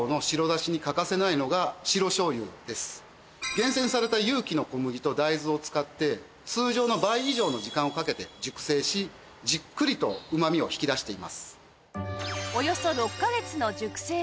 厳選された有機の小麦と大豆を使って通常の倍以上の時間をかけて熟成しじっくりとうまみを引き出しています。